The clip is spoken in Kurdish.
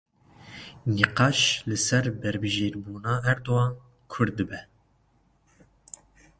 Nîqaş, li ser berbijêrbûna Erdogan kûr dibe.